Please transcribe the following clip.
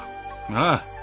なあ